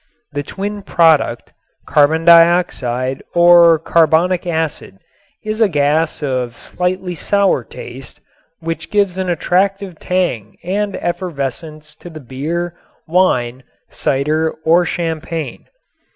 The twin product, carbon dioxide or carbonic acid, is a gas of slightly sour taste which gives an attractive tang and effervescence to the beer, wine, cider or champagne.